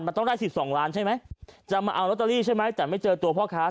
มันต้องได้๑๒ล้านใช่ไหมจะมาเอาลอตเตอรี่ใช่ไหมแต่ไม่เจอตัวพ่อค้า